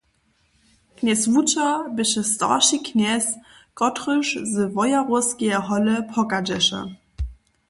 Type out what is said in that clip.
Knjez wučer běše starši knjez, kotryž z Wojerowskeje hole pochadźeše.